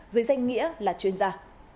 dưới danh nghĩa là chuyên gia